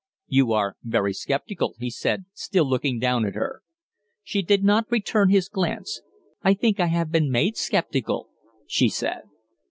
"You are very sceptical," he said, still looking down at her. She did not return his glance. "I think I have been made sceptical," she said.